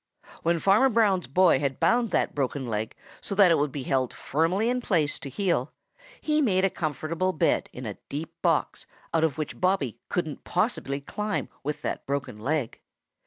When Farmer Brown's boy had bound that broken leg so that it would be held firmly in place to heal, he made a comfortable bed in a deep box out of which Bobby couldn't possibly climb with that broken leg.